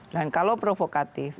dan kalau provokatif